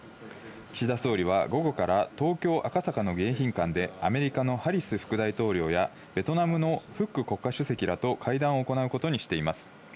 岸田総理は午後から、東京・赤坂の迎賓館でアメリカのハリス副大統領や、ベトナムのフック国家主席らと会談を行うことにしています。